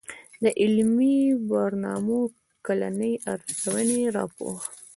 د علمي برنامو کلنۍ ارزوني راپور